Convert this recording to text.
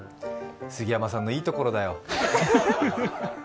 杉山さんのいいところだよ。